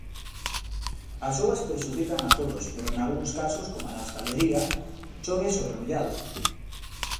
As subas prexudican a todos, pero nalgúns casos, coma na hostalería, chove sobre mollado.